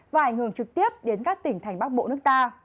và ảnh hưởng trực tiếp đến các tỉnh thành bắc bộ nước ta